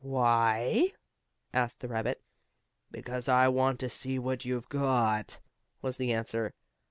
"Why?" asked the rabbit. "Because I want to see what you've got," was the answer.